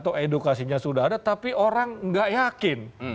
atau edukasinya sudah ada tapi orang nggak yakin